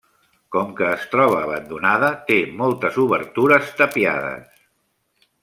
Com que es troba abandonada té moltes obertures tapiades.